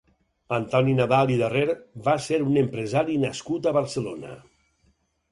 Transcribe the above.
Antoni Nadal i Darrer va ser un empresari nascut a Barcelona.